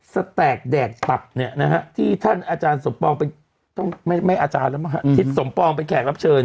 สแตกแดกตับที่ท่านอาจารย์สมปองไม่อาจารย์แล้วที่สมปองเป็นแขกรับเชิญ